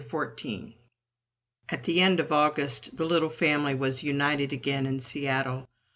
CHAPTER XIV At the end of August the little family was united again in Seattle.